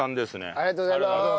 ありがとうございます！